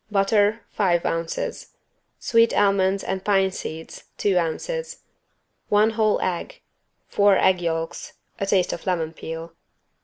Butter, five ounces. Sweet almonds and pine seeds, two ounces. One whole egg. Four egg yolks. A taste of lemon peel.